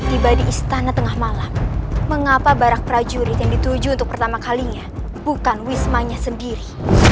tiba di istana tengah malam mengapa barak prajurit yang dituju untuk pertama kalinya bukan wismanya sendiri